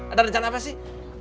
ada rencana apa sih